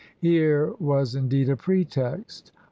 Here was, indeed, a pretext.